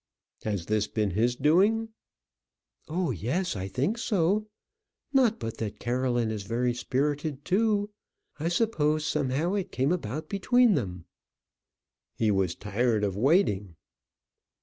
"Has this been his doing?" "Oh, yes, I think so. Not but that Caroline is very spirited too: I suppose somehow it came about between them." "He was tired of waiting."